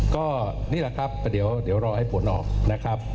ก็นี่แหละครับแต่เดี๋ยวเดี๋ยวรอให้ผลออกนะครับ